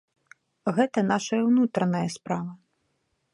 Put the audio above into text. Гэта нашая ўнутраная справа.